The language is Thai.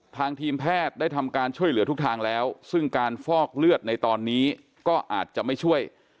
ทางทีมแพทย์ได้ทำการช่วยเหลือทุกทางแล้วซึ่งการฟอกเลือดในตอนนี้ก็อาจจะไม่ช่วย